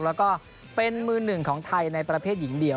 แล้วก็เป็นมือหนึ่งของไทยในประเภทหญิงเดียว